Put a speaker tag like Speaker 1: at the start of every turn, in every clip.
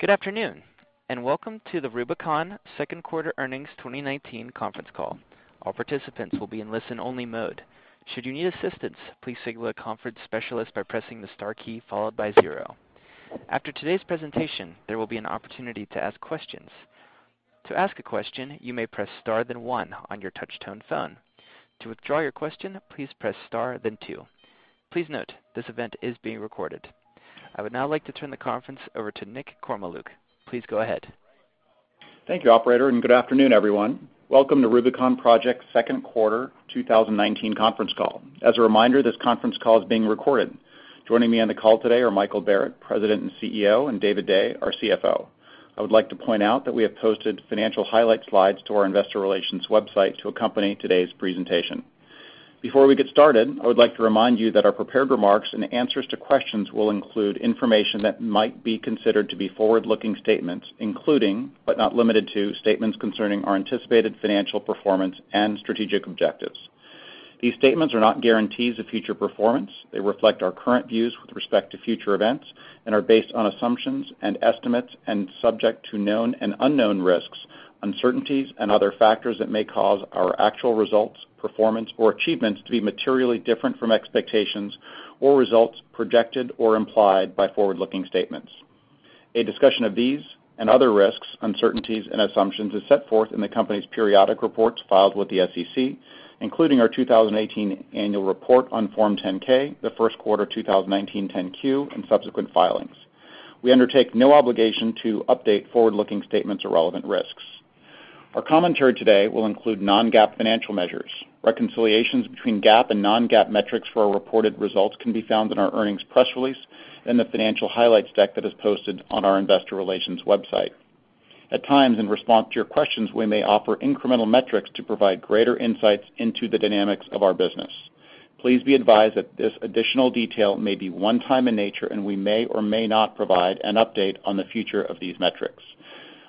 Speaker 1: Good afternoon, and welcome to the Rubicon second quarter earnings 2019 conference call. All participants will be in listen-only mode. Should you need assistance, please signal a conference specialist by pressing the star key followed by zero. After today's presentation, there will be an opportunity to ask questions. To ask a question, you may press star then one on your touch-tone phone. To withdraw your question, please press star then two. Please note, this event is being recorded. I would now like to turn the conference over to Nick Kormeluk. Please go ahead.
Speaker 2: Thank you, operator, and good afternoon, everyone. Welcome to Rubicon Project's second quarter 2019 conference call. As a reminder, this conference call is being recorded. Joining me on the call today are Michael Barrett, President and CEO, and David Day, our CFO. I would like to point out that we have posted financial highlight slides to our investor relations website to accompany today's presentation. Before we get started, I would like to remind you that our prepared remarks and answers to questions will include information that might be considered to be forward-looking statements, including, but not limited to, statements concerning our anticipated financial performance and strategic objectives. These statements are not guarantees of future performance. They reflect our current views with respect to future events and are based on assumptions and estimates and subject to known and unknown risks, uncertainties, and other factors that may cause our actual results, performance, or achievements to be materially different from expectations or results projected or implied by forward-looking statements. A discussion of these and other risks, uncertainties and assumptions is set forth in the company's periodic reports filed with the SEC, including our 2018 annual report on Form 10-K, the first quarter 2019 10-Q, and subsequent filings. We undertake no obligation to update forward-looking statements or relevant risks. Our commentary today will include non-GAAP financial measures. Reconciliations between GAAP and non-GAAP metrics for our reported results can be found in our earnings press release and the financial highlights deck that is posted on our investor relations website. At times, in response to your questions, we may offer incremental metrics to provide greater insights into the dynamics of our business. Please be advised that this additional detail may be one-time in nature, and we may or may not provide an update on the future of these metrics.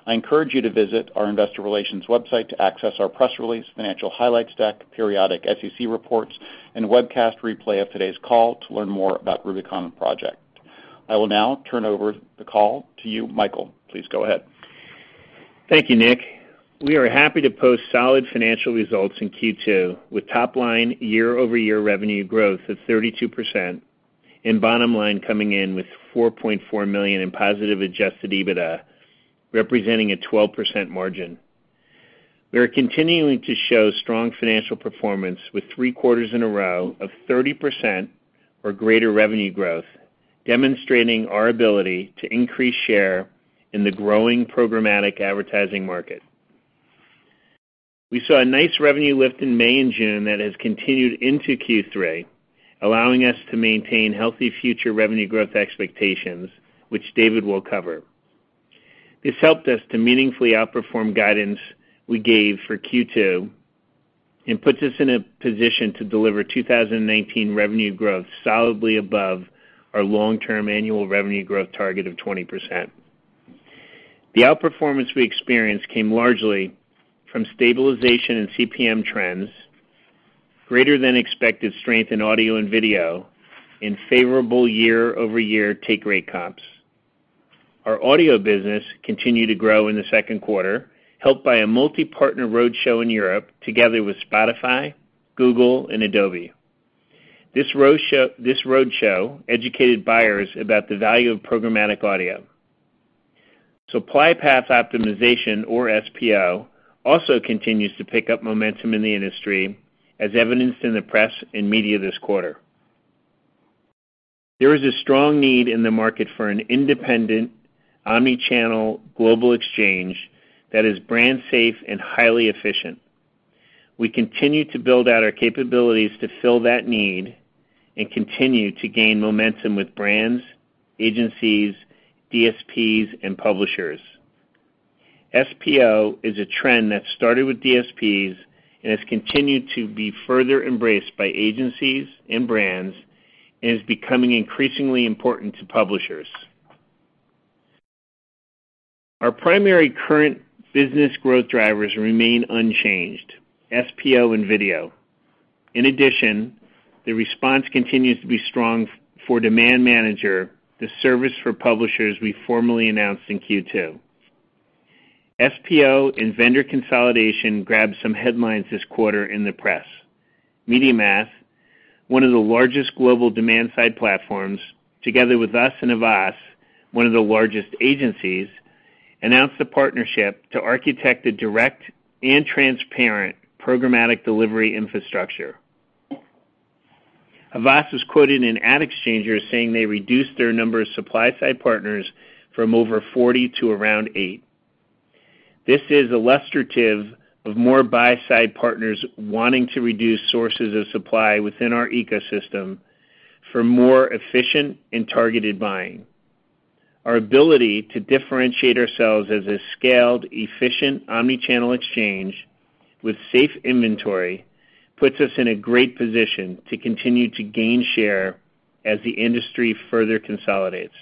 Speaker 2: I encourage you to visit our investor relations website to access our press release, financial highlights deck, periodic SEC reports, and webcast replay of today's call to learn more about Rubicon Project. I will now turn over the call to you, Michael. Please go ahead.
Speaker 3: Thank you, Nick. We are happy to post solid financial results in Q2, with top line year-over-year revenue growth of 32% and bottom line coming in with $4.4 million in positive adjusted EBITDA, representing a 12% margin. We are continuing to show strong financial performance with three quarters in a row of 30% or greater revenue growth, demonstrating our ability to increase share in the growing programmatic advertising market. We saw a nice revenue lift in May and June that has continued into Q3, allowing us to maintain healthy future revenue growth expectations, which David will cover. This helped us to meaningfully outperform guidance we gave for Q2 and puts us in a position to deliver 2019 revenue growth solidly above our long-term annual revenue growth target of 20%. The outperformance we experienced came largely from stabilization in CPM trends, greater than expected strength in audio and video, and favorable year-over-year take rate comps. Our audio business continued to grow in the second quarter, helped by a multi-partner roadshow in Europe together with Spotify, Google, and Adobe. This roadshow educated buyers about the value of programmatic audio. Supply path optimization, or SPO, also continues to pick up momentum in the industry, as evidenced in the press and media this quarter. There is a strong need in the market for an independent, omni-channel global exchange that is brand safe and highly efficient. We continue to build out our capabilities to fill that need and continue to gain momentum with brands, agencies, DSPs, and publishers. SPO is a trend that started with DSPs and has continued to be further embraced by agencies and brands and is becoming increasingly important to publishers. Our primary current business growth drivers remain unchanged, SPO and video. In addition, the response continues to be strong for Demand Manager, the service for publishers we formally announced in Q2. SPO and vendor consolidation grabbed some headlines this quarter in the press. MediaMath, one of the largest global demand-side platforms, together with us and Havas, one of the largest agencies, announced a partnership to architect a direct and transparent programmatic delivery infrastructure. Havas was quoted in AdExchanger saying they reduced their number of supply-side partners from over 40 to around eight. This is illustrative of more buy-side partners wanting to reduce sources of supply within our ecosystem for more efficient and targeted buying. Our ability to differentiate ourselves as a scaled, efficient, omni-channel exchange with safe inventory puts us in a great position to continue to gain share as the industry further consolidates.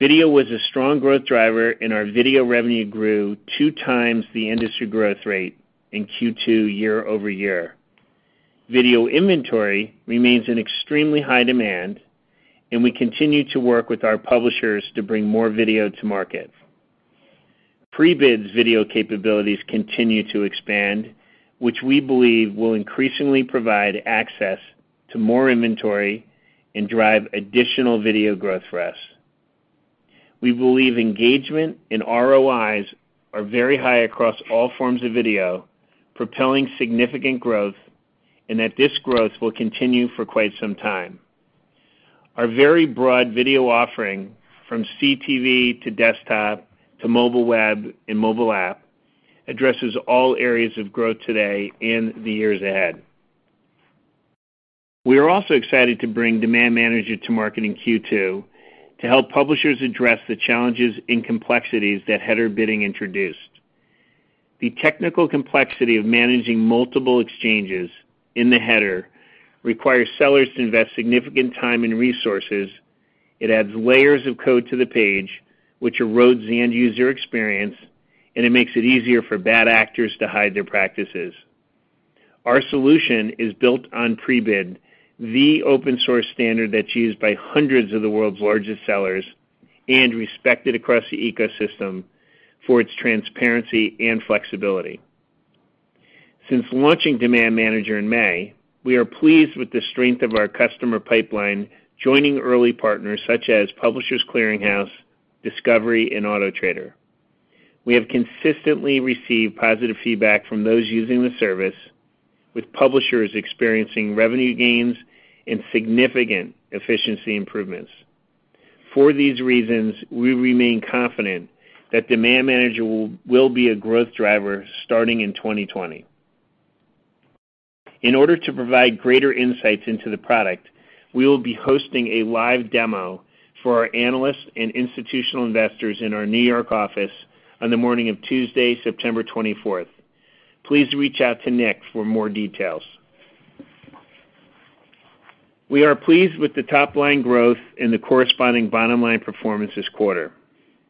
Speaker 3: Video was a strong growth driver, and our video revenue grew two times the industry growth rate in Q2 year-over-year. Video inventory remains in extremely high demand, and we continue to work with our publishers to bring more video to market. Prebid's video capabilities continue to expand, which we believe will increasingly provide access to more inventory and drive additional video growth for us. We believe engagement and ROIs are very high across all forms of video, propelling significant growth, and that this growth will continue for quite some time. Our very broad video offering, from CTV to desktop to mobile web and mobile app, addresses all areas of growth today and the years ahead. We are also excited to bring Demand Manager to market in Q2 to help publishers address the challenges and complexities that header bidding introduced. The technical complexity of managing multiple exchanges in the header requires sellers to invest significant time and resources. It adds layers of code to the page, which erodes the end-user experience, and it makes it easier for bad actors to hide their practices. Our solution is built on Prebid, the open-source standard that's used by hundreds of the world's largest sellers and respected across the ecosystem for its transparency and flexibility. Since launching Demand Manager in May, we are pleased with the strength of our customer pipeline, joining early partners such as Publishers Clearing House, Discovery, and Autotrader. We have consistently received positive feedback from those using the service, with publishers experiencing revenue gains and significant efficiency improvements. For these reasons, we remain confident that Demand Manager will be a growth driver starting in 2020. In order to provide greater insights into the product, we will be hosting a live demo for our analysts and institutional investors in our New York office on the morning of Tuesday, September 24th. Please reach out to Nick for more details. We are pleased with the top-line growth and the corresponding bottom-line performance this quarter.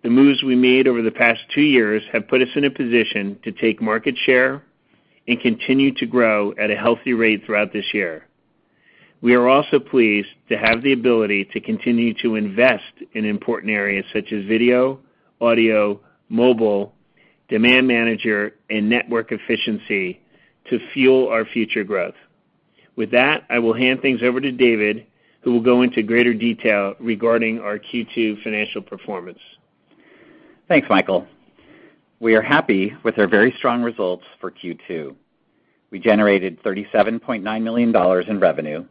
Speaker 3: The moves we made over the past two years have put us in a position to take market share and continue to grow at a healthy rate throughout this year. We are also pleased to have the ability to continue to invest in important areas such as video, audio, mobile, Demand Manager, and network efficiency to fuel our future growth. With that, I will hand things over to David, who will go into greater detail regarding our Q2 financial performance.
Speaker 4: Thanks, Michael. We are happy with our very strong results for Q2. We generated $37.9 million in revenue,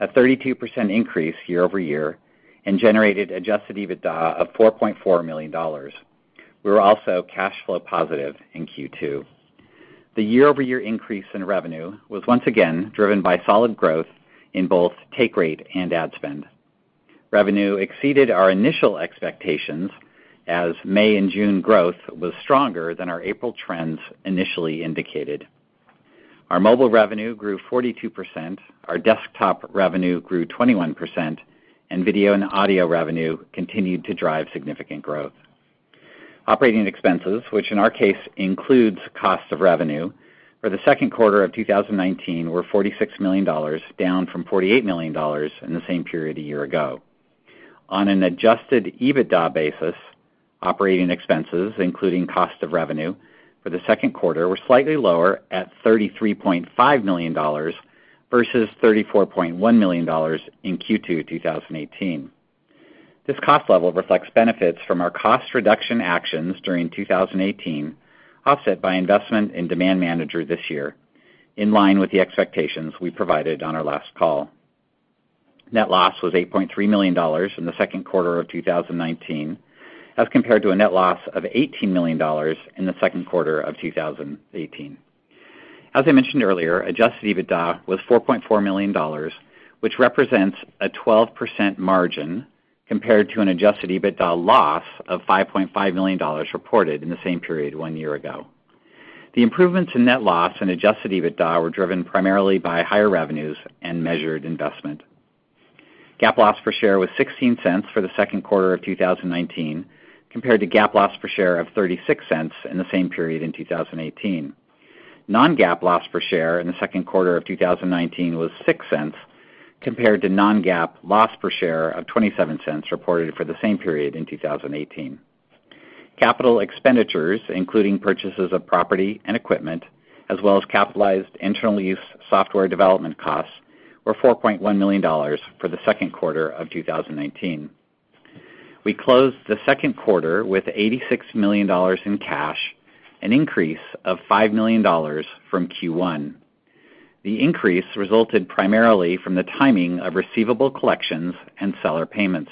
Speaker 4: a 32% increase year-over-year, and generated adjusted EBITDA of $4.4 million. We were also cash flow positive in Q2. The year-over-year increase in revenue was once again driven by solid growth in both take rate and ad spend. Revenue exceeded our initial expectations as May and June growth was stronger than our April trends initially indicated. Our mobile revenue grew 42%, our desktop revenue grew 21%, and video and audio revenue continued to drive significant growth. Operating expenses, which in our case includes cost of revenue, for the second quarter of 2019 were $46 million, down from $48 million in the same period a year ago. On an adjusted EBITDA basis, operating expenses, including cost of revenue, for the second quarter were slightly lower at $33.5 million versus $34.1 million in Q2 2018. This cost level reflects benefits from our cost reduction actions during 2018, offset by investment in Demand Manager this year, in line with the expectations we provided on our last call. Net loss was $8.3 million in the second quarter of 2019, as compared to a net loss of $18 million in the second quarter of 2018. As I mentioned earlier, adjusted EBITDA was $4.4 million, which represents a 12% margin compared to an adjusted EBITDA loss of $5.5 million reported in the same period one year ago. The improvements in net loss and adjusted EBITDA were driven primarily by higher revenues and measured investment. GAAP loss per share was $0.16 for the second quarter of 2019, compared to GAAP loss per share of $0.36 in the same period in 2018. non-GAAP loss per share in the second quarter of 2019 was $0.06, compared to non-GAAP loss per share of $0.27 reported for the same period in 2018. Capital expenditures, including purchases of property and equipment, as well as capitalized internal use software development costs, were $4.1 million for the second quarter of 2019. We closed the second quarter with $86 million in cash, an increase of $5 million from Q1. The increase resulted primarily from the timing of receivable collections and seller payments.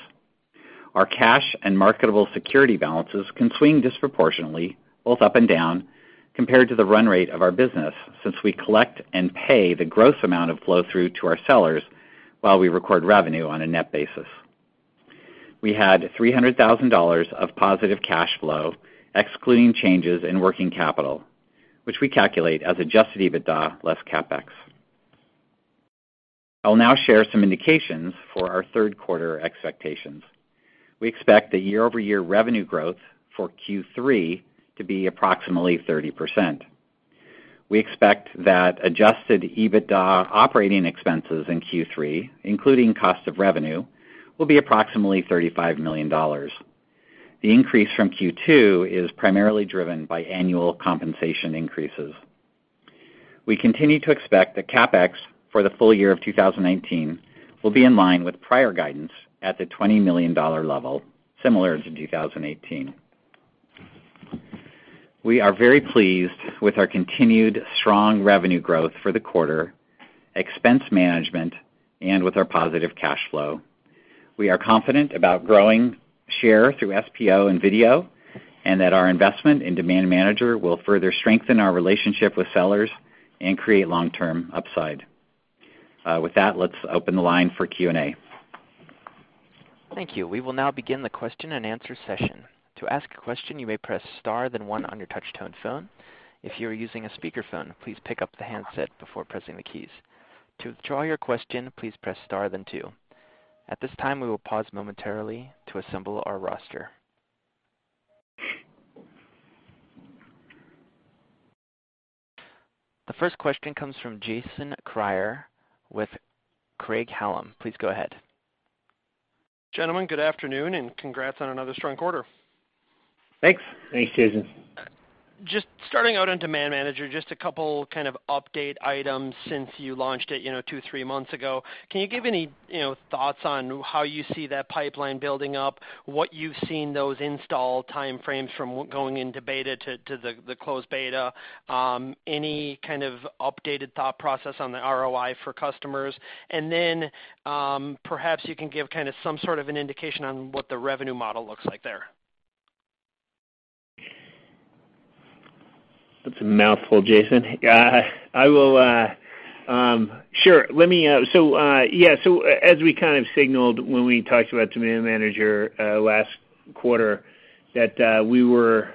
Speaker 4: Our cash and marketable security balances can swing disproportionately, both up and down, compared to the run rate of our business, since we collect and pay the gross amount of flow-through to our sellers while we record revenue on a net basis. We had $300,000 of positive cash flow, excluding changes in working capital, which we calculate as adjusted EBITDA less CapEx. I'll now share some indications for our third quarter expectations. We expect the year-over-year revenue growth for Q3 to be approximately 30%. We expect that adjusted EBITDA operating expenses in Q3, including cost of revenue, will be approximately $35 million. The increase from Q2 is primarily driven by annual compensation increases. We continue to expect that CapEx for the full year of 2019 will be in line with prior guidance at the $20 million level, similar to 2018. We are very pleased with our continued strong revenue growth for the quarter, expense management, and with our positive cash flow. We are confident about growing share through SPO and video, and that our investment in Demand Manager will further strengthen our relationship with sellers and create long-term upside. With that, let's open the line for Q&A.
Speaker 1: Thank you. We will now begin the question and answer session. To ask a question, you may press star, then one on your touch-tone phone. If you are using a speakerphone, please pick up the handset before pressing the keys. To withdraw your question, please press star, then two. At this time, we will pause momentarily to assemble our roster. The first question comes from Jason Kreyer with Craig-Hallum. Please go ahead.
Speaker 5: Gentlemen, good afternoon, and congrats on another strong quarter.
Speaker 4: Thanks.
Speaker 3: Thanks, Jason.
Speaker 5: Just starting out on Demand Manager, just a couple kind of update items since you launched it two, three months ago. Can you give any thoughts on how you see that pipeline building up, what you've seen those install timeframes from going into beta to the closed beta? Any kind of updated thought process on the ROI for customers? Perhaps you can give some sort of an indication on what the revenue model looks like there.
Speaker 3: That's a mouthful, Jason. Sure. As we kind of signaled when we talked about Demand Manager last quarter, that we were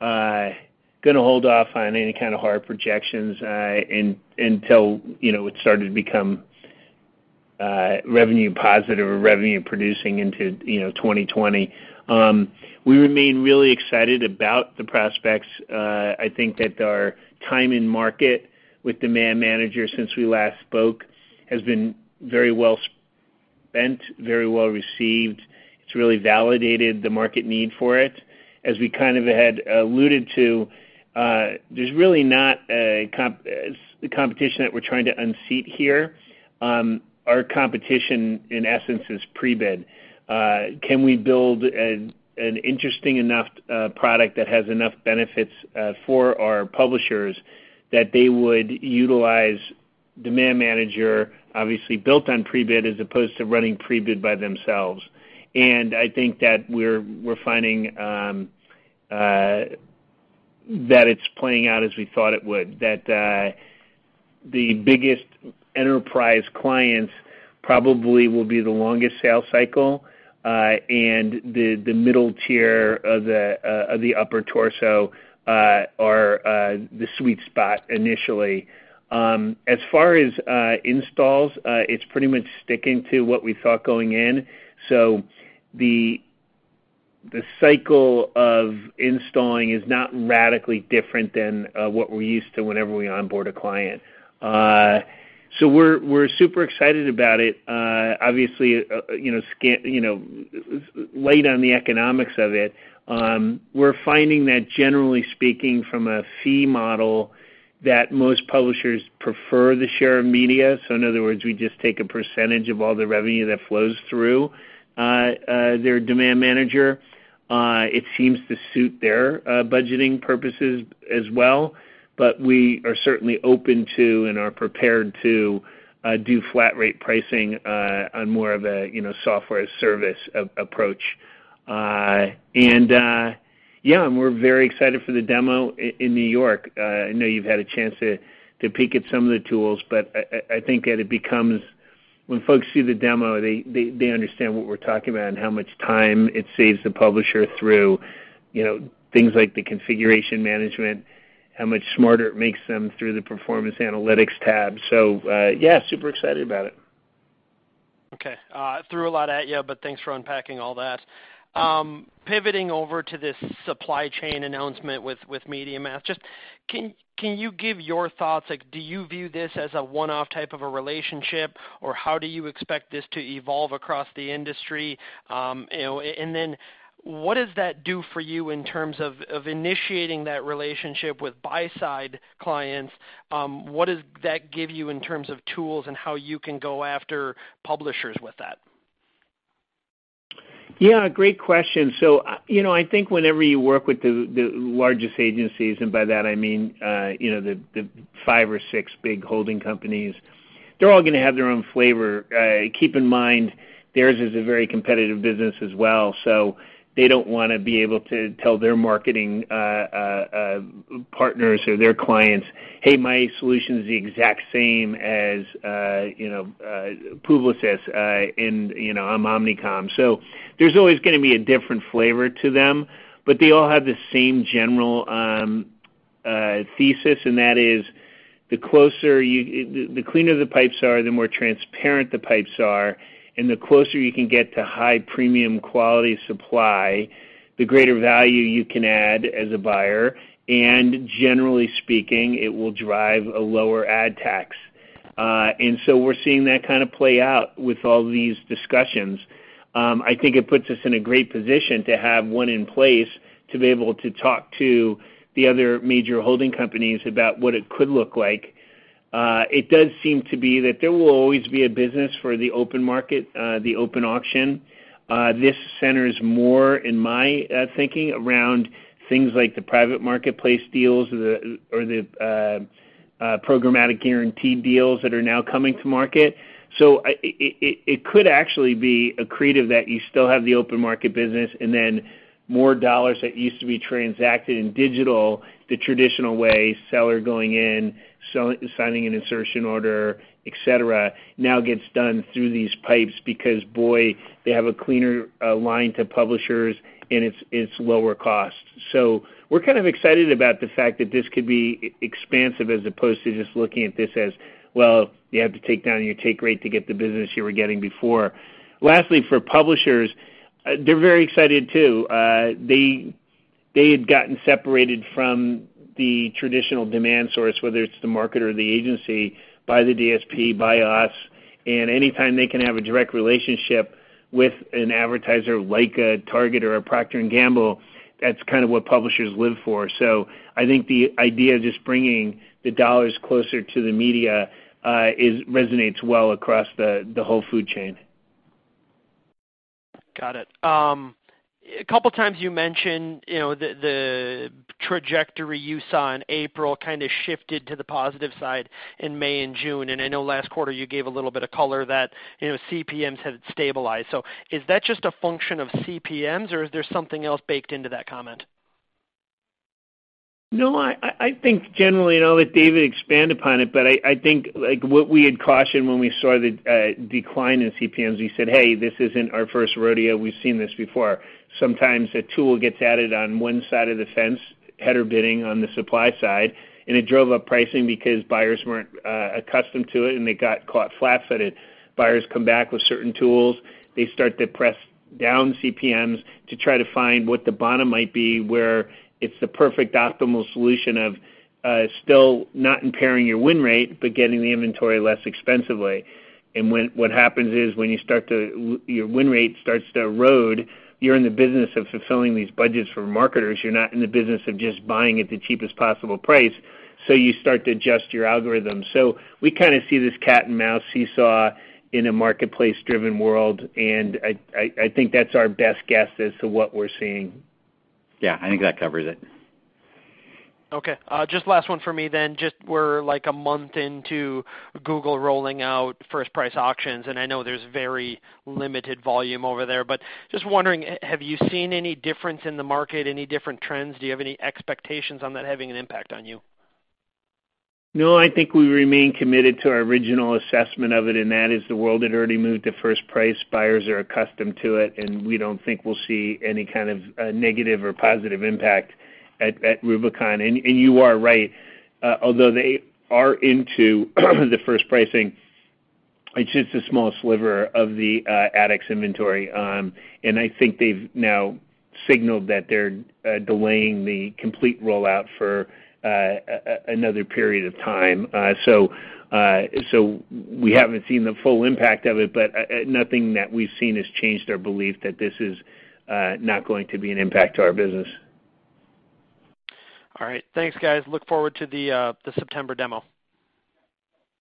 Speaker 3: going to hold off on any kind of hard projections until it started to become revenue positive or revenue producing into 2020. We remain really excited about the prospects. I think that our time in market with Demand Manager since we last spoke has been very well spent, very well received. It's really validated the market need for it. As we kind of had alluded to, there's really not a competition that we're trying to unseat here. Our competition, in essence, is Prebid. Can we build an interesting enough product that has enough benefits for our publishers that they would utilize Demand Manager, obviously built on Prebid, as opposed to running Prebid by themselves? I think that we're finding that it's playing out as we thought it would, that the biggest enterprise clients probably will be the longest sales cycle, and the middle tier of the upper torso are the sweet spot initially. As far as installs, it's pretty much sticking to what we thought going in. The cycle of installing is not radically different than what we're used to whenever we onboard a client. We're super excited about it. Obviously, light on the economics of it. We're finding that generally speaking from a fee model, that most publishers prefer the share of media. In other words, we just take a percentage of all the revenue that flows through their Demand Manager. It seems to suit their budgeting purposes as well. We are certainly open to and are prepared to do flat rate pricing on more of a software service approach. Yeah, we're very excited for the demo in New York. I know you've had a chance to peek at some of the tools, but I think that it becomes, when folks see the demo, they understand what we're talking about and how much time it saves the publisher through things like the configuration management, how much smarter it makes them through the performance analytics tab. Yeah, super excited about it.
Speaker 5: Okay. I threw a lot at you, but thanks for unpacking all that. Pivoting over to this supply chain announcement with MediaMath, just can you give your thoughts, do you view this as a one-off type of a relationship? How do you expect this to evolve across the industry? What does that do for you in terms of initiating that relationship with buy-side clients? What does that give you in terms of tools and how you can go after publishers with that?
Speaker 3: Yeah, great question. I think whenever you work with the largest agencies, By that I mean the five or six big holding companies, they're all going to have their own flavor. Keep in mind, theirs is a very competitive business as well, so they don't want to be able to tell their marketing partners or their clients, "Hey, my solution is the exact same as Publicis," and "I'm Omnicom." There's always going to be a different flavor to them, but they all have the same general That is the cleaner the pipes are, the more transparent the pipes are, and the closer you can get to high premium quality supply, the greater value you can add as a buyer. Generally speaking, it will drive a lower ad tax. We're seeing that kind of play out with all these discussions. I think it puts us in a great position to have one in place to be able to talk to the other major holding companies about what it could look like. It does seem to be that there will always be a business for the open market, the open auction. This centers more, in my thinking, around things like the private marketplace deals or the programmatic guaranteed deals that are now coming to market. It could actually be accretive that you still have the open market business and then more dollars that used to be transacted in digital the traditional way, seller going in, signing an insertion order, et cetera, now gets done through these pipes because, boy, they have a cleaner line to publishers and it's lower cost. We're kind of excited about the fact that this could be expansive as opposed to just looking at this as, well, you have to take down your take rate to get the business you were getting before. Lastly, for publishers, they're very excited too. They had gotten separated from the traditional demand source, whether it's the market or the agency, by the DSP, by us, and anytime they can have a direct relationship with an advertiser like a Target or a Procter & Gamble, that's kind of what publishers live for. I think the idea of just bringing the dollars closer to the media resonates well across the whole food chain.
Speaker 5: Got it. A couple of times you mentioned the trajectory you saw in April kind of shifted to the positive side in May and June, and I know last quarter you gave a little bit of color that CPMs had stabilized. Is that just a function of CPMs or is there something else baked into that comment?
Speaker 3: I think generally, and I'll let David expand upon it, but I think what we had cautioned when we saw the decline in CPMs, we said, "Hey, this isn't our first rodeo. We've seen this before." Sometimes a tool gets added on one side of the fence, header bidding on the supply side, and it drove up pricing because buyers weren't accustomed to it, and they got caught flat-footed. Buyers come back with certain tools. They start to press down CPMs to try to find what the bottom might be, where it's the perfect optimal solution of still not impairing your win rate, but getting the inventory less expensively. What happens is, when your win rate starts to erode, you're in the business of fulfilling these budgets for marketers. You're not in the business of just buying at the cheapest possible price. You start to adjust your algorithm. We kind of see this cat and mouse seesaw in a marketplace-driven world, and I think that's our best guess as to what we're seeing.
Speaker 4: Yeah, I think that covers it.
Speaker 5: Okay. Last one for me. We're a month into Google rolling out first-price auctions. I know there's very limited volume over there. Wondering, have you seen any difference in the market? Any different trends? Do you have any expectations on that having an impact on you?
Speaker 3: No, I think we remain committed to our original assessment of it, and that is the world had already moved to first-price. Buyers are accustomed to it, and we don't think we'll see any kind of negative or positive impact at Rubicon. You are right, although they are into the first pricing, it's just a small sliver of the AdX inventory. I think they've now signaled that they're delaying the complete rollout for another period of time. We haven't seen the full impact of it, but nothing that we've seen has changed our belief that this is not going to be an impact to our business.
Speaker 5: All right. Thanks, guys. Look forward to the September demo.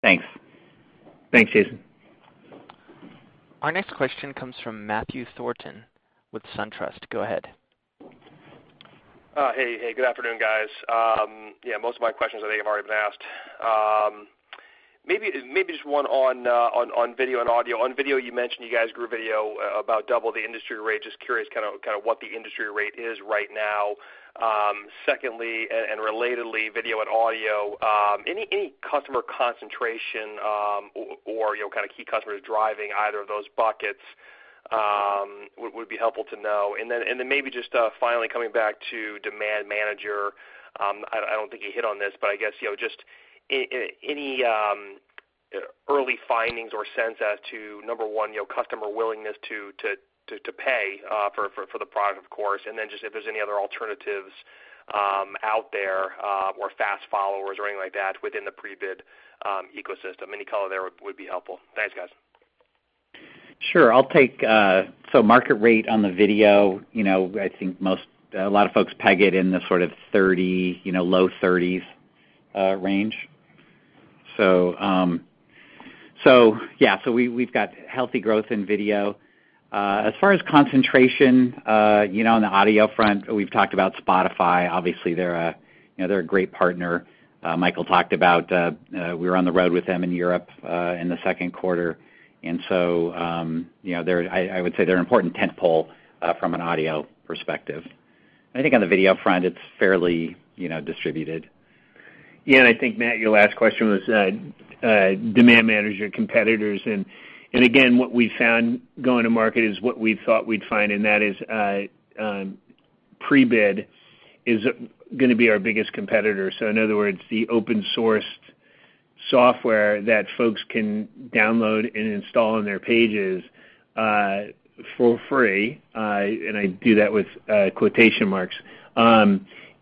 Speaker 4: Thanks.
Speaker 3: Thanks, Jason.
Speaker 1: Our next question comes from Matthew Thornton with SunTrust. Go ahead.
Speaker 6: Hey. Good afternoon, guys. Most of my questions I think have already been asked. Maybe just one on video and audio. On video, you mentioned you guys grew video about double the industry rate. Just curious kind of what the industry rate is right now. Secondly and relatedly, video and audio, any customer concentration, or kind of key customers driving either of those buckets would be helpful to know. Maybe just finally coming back to Demand Manager, I don't think you hit on this, but I guess just any early findings or sense as to, number 1, customer willingness to pay for the product, of course, and then just if there's any other alternatives out there or fast followers or anything like that within the Prebid ecosystem. Any color there would be helpful. Thanks, guys.
Speaker 4: Sure. Market rate on the video, I think a lot of folks peg it in the sort of 30s, low 30s range. Yeah, we've got healthy growth in video. As far as concentration, on the audio front, we've talked about Spotify. Obviously, they're a great partner. Michael talked about we were on the road with them in Europe in the second quarter. I would say they're an important tent pole from an audio perspective. I think on the video front, it's fairly distributed.
Speaker 3: Yeah, I think, Matt, your last question was Demand Manager competitors. Again, what we found going to market is what we thought we'd find, and that is Prebid is going to be our biggest competitor. In other words, the open-sourced software that folks can download and install on their pages for free, and I do that with quotation marks,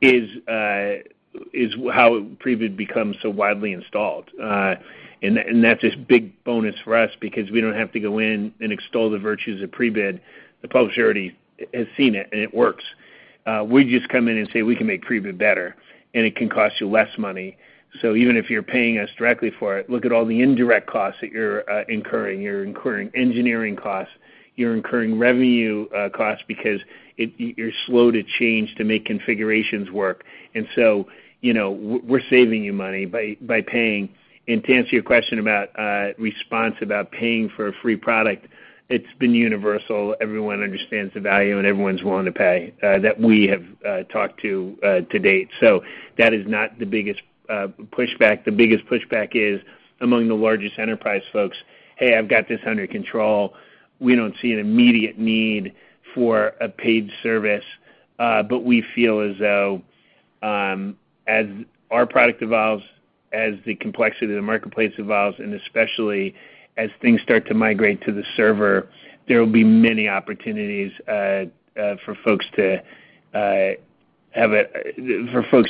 Speaker 3: is how Prebid becomes so widely installed. That's just big bonus for us because we don't have to go in and extol the virtues of Prebid. The publisher already has seen it, and it works. We just come in and say, "We can make Prebid better, and it can cost you less money. Even if you're paying us directly for it, look at all the indirect costs that you're incurring. You're incurring engineering costs, you're incurring revenue costs because you're slow to change to make configurations work. We're saving you money by paying. To answer your question about response about paying for a free product, it's been universal. Everyone understands the value, and everyone's willing to pay that we have talked to date. That is not the biggest pushback. The biggest pushback is among the largest enterprise folks, "Hey, I've got this under control. We don't see an immediate need for a paid service." We feel as though, as our product evolves, as the complexity of the marketplace evolves, and especially as things start to migrate to the server, there will be many opportunities for folks to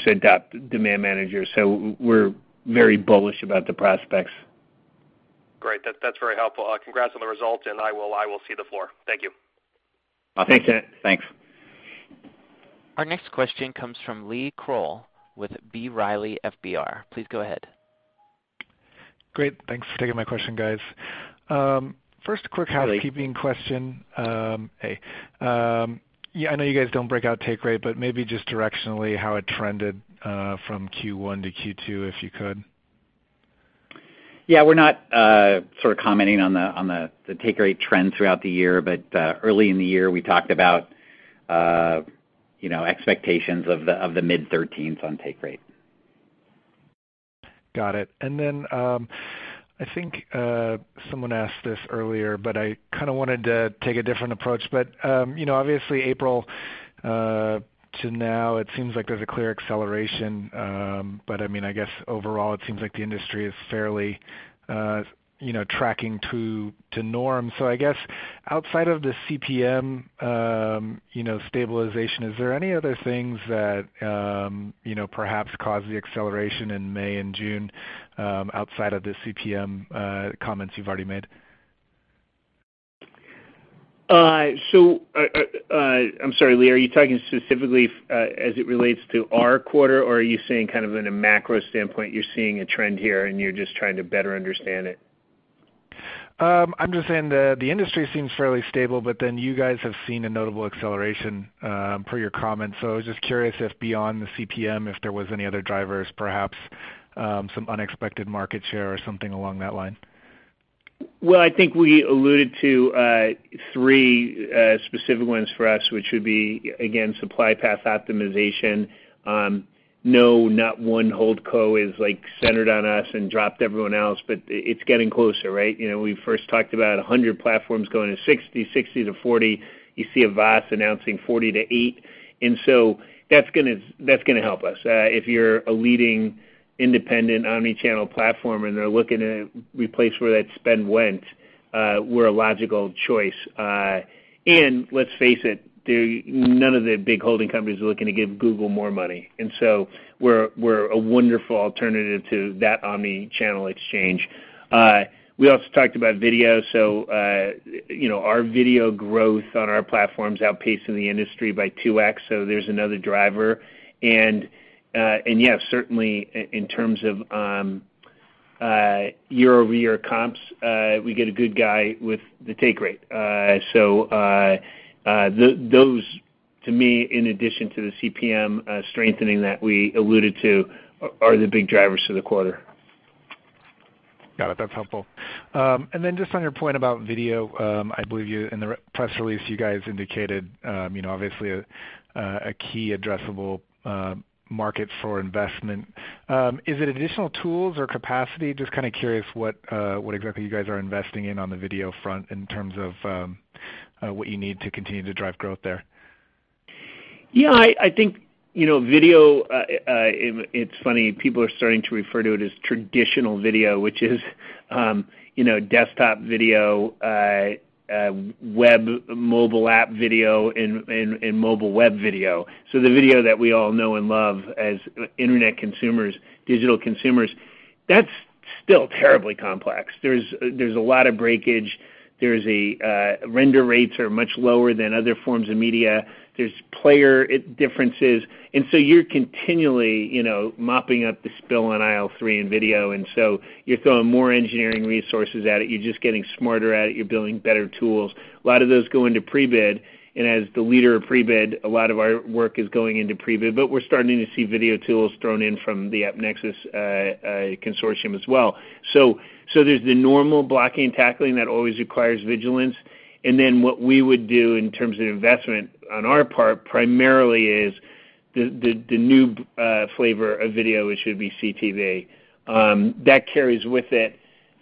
Speaker 3: adopt Demand Manager. We're very bullish about the prospects.
Speaker 6: Great. That's very helpful. Congrats on the results, and I will cede the floor. Thank you.
Speaker 3: Awesome.
Speaker 4: Thank you.
Speaker 3: Thanks.
Speaker 1: Our next question comes from Lee Krowl with B. Riley FBR. Please go ahead.
Speaker 7: Great. Thanks for taking my question, guys. First quick housekeeping question.
Speaker 4: Hey, Lee.
Speaker 7: Hey. I know you guys don't break out take rate, but maybe just directionally how it trended from Q1 to Q2, if you could.
Speaker 4: Yeah, we're not sort of commenting on the take rate trend throughout the year. Early in the year, we talked about expectations of the mid-thirteens on take rate.
Speaker 7: Got it. I think, someone asked this earlier, but I kind of wanted to take a different approach. Obviously April to now, it seems like there's a clear acceleration. I guess overall, it seems like the industry is fairly tracking to norm. I guess outside of the CPM stabilization, is there any other things that perhaps caused the acceleration in May and June, outside of the CPM comments you've already made?
Speaker 3: I'm sorry, Lee, are you talking specifically as it relates to our quarter, or are you saying kind of in a macro standpoint, you're seeing a trend here and you're just trying to better understand it?
Speaker 7: I'm just saying the industry seems fairly stable, you guys have seen a notable acceleration per your comments. I was just curious if beyond the CPM, if there was any other drivers, perhaps some unexpected market share or something along that line.
Speaker 3: I think we alluded to three specific ones for us, which would be, again, supply path optimization. Not one holdco is centered on us and dropped everyone else, but it's getting closer, right? We first talked about 100 platforms going to 60 to 40. You see Havas announcing 40 to eight. That's going to help us. If you're a leading independent omni-channel platform and they're looking to replace where that spend went, we're a logical choice. Let's face it, none of the big holding companies are looking to give Google more money. We're a wonderful alternative to that omni-channel exchange. We also talked about video. Our video growth on our platforms outpacing the industry by 2x, so there's another driver. Yeah, certainly in terms of year-over-year comps, we get a good guy with the take rate. Those to me, in addition to the CPM strengthening that we alluded to, are the big drivers for the quarter.
Speaker 7: Got it. That's helpful. Then just on your point about video, I believe in the press release, you guys indicated, obviously a key addressable market for investment. Is it additional tools or capacity? Just kind of curious what exactly you guys are investing in on the video front in terms of what you need to continue to drive growth there.
Speaker 3: Yeah, I think video, it's funny, people are starting to refer to it as traditional video, which is desktop video, web mobile app video, and mobile web video, the video that we all know and love as internet consumers, digital consumers. That's still terribly complex. There's a lot of breakage. Render rates are much lower than other forms of media. There's player differences. You're continually mopping up the spill on aisle three in video, and so you're throwing more engineering resources at it. You're just getting smarter at it. You're building better tools. A lot of those go into Prebid, and as the leader of Prebid, a lot of our work is going into Prebid, but we're starting to see video tools thrown in from the AppNexus consortium as well. There's the normal blocking and tackling that always requires vigilance. What we would do in terms of investment on our part primarily is the new flavor of video, which would be CTV. That carries with it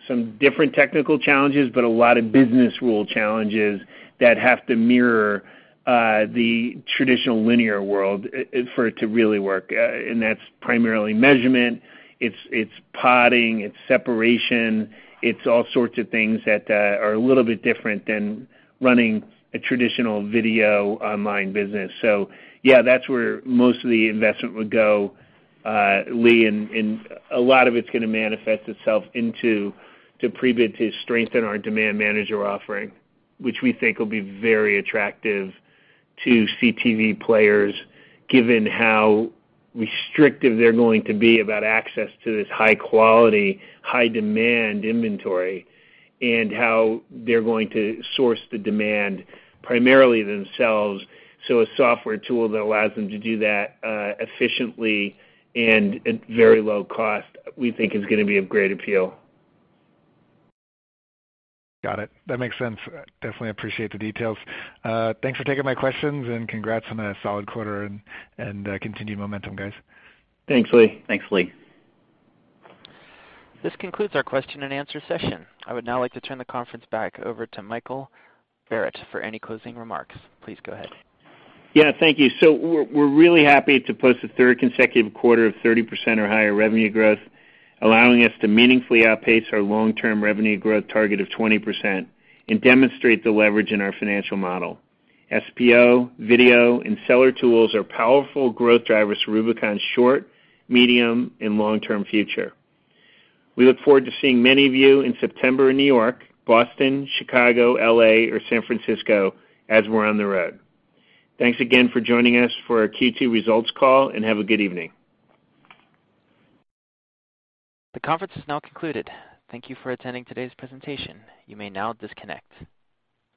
Speaker 3: some different technical challenges, but a lot of business rule challenges that have to mirror the traditional linear world for it to really work. That's primarily measurement. It's podding, it's separation. It's all sorts of things that are a little bit different than running a traditional video online business. Yeah, that's where most of the investment would go, Lee, and a lot of it's going to manifest itself into Prebid to strengthen our Demand Manager offering, which we think will be very attractive to CTV players, given how restrictive they're going to be about access to this high-quality, high-demand inventory and how they're going to source the demand primarily themselves. A software tool that allows them to do that efficiently and at very low cost, we think is going to be of great appeal.
Speaker 7: Got it. That makes sense. Definitely appreciate the details. Thanks for taking my questions and congrats on a solid quarter and continued momentum, guys.
Speaker 3: Thanks, Lee.
Speaker 1: This concludes our question and answer session. I would now like to turn the conference back over to Michael Barrett for any closing remarks. Please go ahead.
Speaker 3: Yeah, thank you. We're really happy to post a third consecutive quarter of 30% or higher revenue growth, allowing us to meaningfully outpace our long-term revenue growth target of 20% and demonstrate the leverage in our financial model. SPO, video, and seller tools are powerful growth drivers for Rubicon's short, medium, and long-term future. We look forward to seeing many of you in September in New York, Boston, Chicago, L.A., or San Francisco as we're on the road. Thanks again for joining us for our Q2 results call, and have a good evening.
Speaker 1: The conference is now concluded. Thank you for attending today's presentation. You may now disconnect.